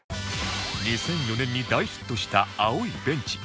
２００４年に大ヒットした『青いベンチ』